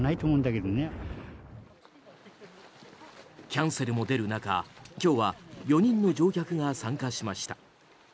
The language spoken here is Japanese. キャンセルも出る中、今日は４人の乗客が参加しました。